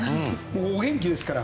お元気ですから。